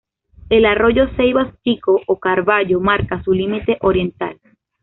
El arroyo Ceibas Chico o Carballo marca su límite oriental.